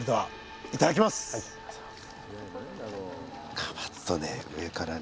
ガバッとね上からね